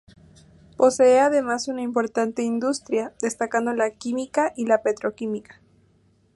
Posee además una importante industria, destacando la química y la petroquímica.